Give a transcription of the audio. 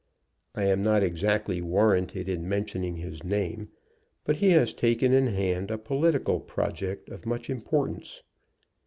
I am not exactly warranted in mentioning his name, but he has taken in hand a political project of much importance."